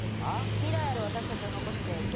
未来ある私たちを残していけにえになったら？